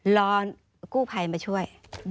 รอกู้ภัยมาช่วย